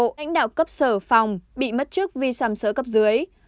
lãnh đạo cấp sở phòng bị mất trước vì sàm sỡ cấp dưới